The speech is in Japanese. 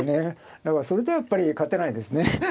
だからそれではやっぱり勝てないですね。